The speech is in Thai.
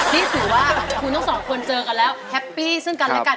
นี่ถือว่าคุณทั้งสองคนเจอกันแล้วแฮปปี้ซึ่งกันและกัน